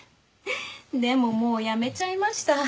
でももうやめちゃいました。